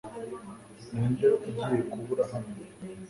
Ninde ugiye kubura hano